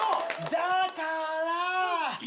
だから。